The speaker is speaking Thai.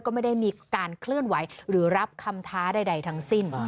ก็ไม่ได้มีการเคลื่อนไหวหรือรับคำท้าใดทั้งสิ้น